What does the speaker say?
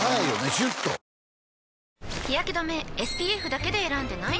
シュッと日やけ止めＳＰＦだけで選んでない？